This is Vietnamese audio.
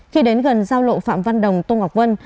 khi đến gần giao lộ phạm văn đồng tô ngọc vân